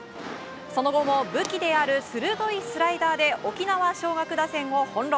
その後も武器である鋭いスライダーで沖縄尚学打線を翻弄。